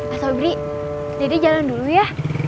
asobri dedek jalan dulu ya